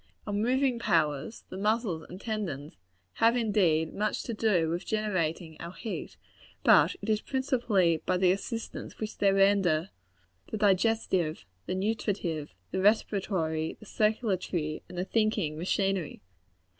Our moving powers the muscles and tendons have, indeed, much to do with generating our heat; but it is principally by the assistance which they render to the digestive, the nutritive, the respiratory, the circulatory, and the thinking machinery.